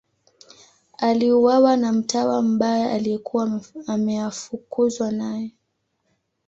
Aliuawa na mtawa mbaya aliyekuwa ameafukuzwa naye.